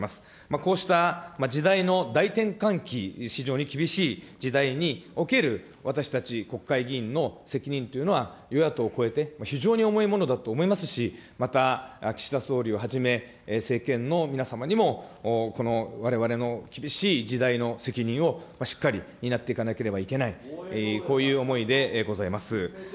こうした時代の大転換期、非常に厳しい時代における私たち国会議員の責任というのは与野党を超えて非常に重いものだと思いますし、また岸田総理をはじめ、政権の皆様にもこのわれわれの厳しい時代の責任をしっかり担っていかなければいけない、こういう思いでございます。